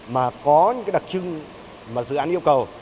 mà có những đặc trưng mà dự án yêu cầu